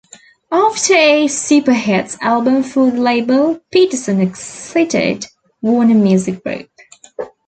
After a "Super Hits" album for the label, Peterson exited Warner Music Group.